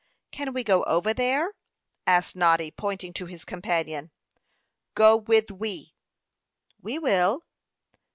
"Can we go over there?" asked Noddy, pointing to his companion. "Go with we." "We will."